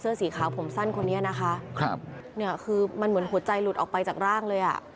เสื้อสีขาวผมสั้นคนนี้นะคะคือมันเหมือนหัวใจหลุดออกไปจากร่างเลย